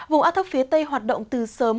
vùng áo thấp phía tây hoạt động từ sớm